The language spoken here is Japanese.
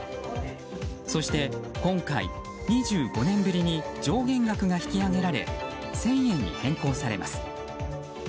そして今回、２５年ぶりに上限額が引き上げられ１０００円に変更されます。